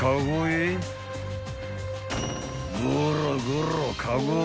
［ゴロゴロ］